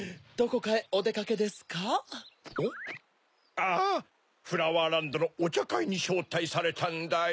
ああフラワーランドのおちゃかいにしょうたいされたんだよ。